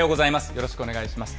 よろしくお願いします。